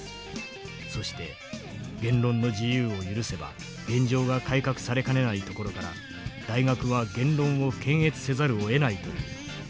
そして言論の自由を許せば現状が改革されかねないところから大学は言論を検閲せざるをえないという。